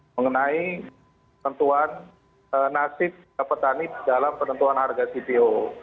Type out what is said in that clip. mengenai tentuan nasib petani dalam penentuan harga cpo